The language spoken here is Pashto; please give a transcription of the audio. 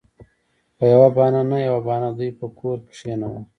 پـه يـوه بهـانـه نـه يـوه بهـانـه دوي پـه کـور کېـنول.